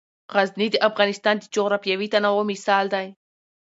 غزني د افغانستان د جغرافیوي تنوع مثال دی.